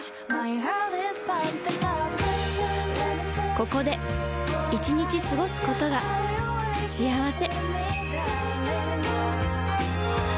ここで１日過ごすことが幸せ